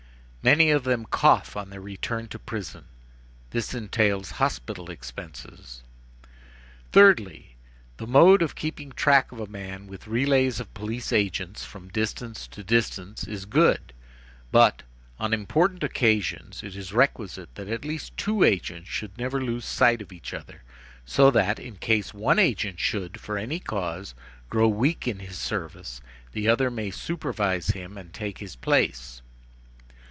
Many of them cough on their return to prison. This entails hospital expenses. "Thirdly: the mode of keeping track of a man with relays of police agents from distance to distance, is good, but, on important occasions, it is requisite that at least two agents should never lose sight of each other, so that, in case one agent should, for any cause, grow weak in his service, the other may supervise him and take his place.